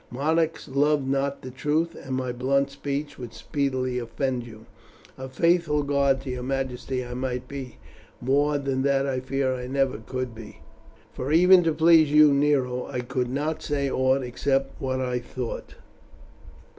Monarchs love not the truth, and my blunt speech would speedily offend you. A faithful guard to your majesty I might be, more than that I fear I never could be, for even to please you, Nero, I could not say aught except what I thought."